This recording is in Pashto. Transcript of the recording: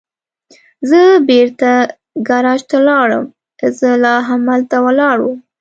زه بېرته ګاراج ته ولاړم، زه لا همالته ولاړ ووم.